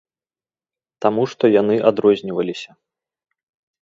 Таму што яны адрозніваліся.